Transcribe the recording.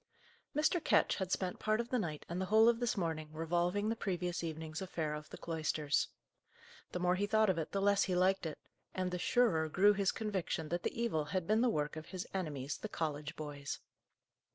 Mr. Ketch had spent part of the night and the whole of this morning revolving the previous evening's affair of the cloisters. The more he thought of it, the less he liked it, and the surer grew his conviction that the evil had been the work of his enemies, the college boys.